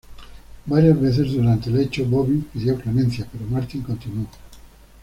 Varias veces durante el hecho, Bobby pidió clemencia, pero Martin continuó.